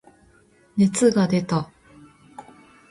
熱が出た。